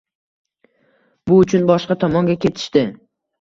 Bu uchun boshqa tomonga ketishdi.